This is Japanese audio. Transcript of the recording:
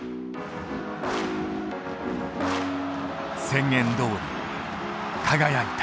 宣言どおり輝いた。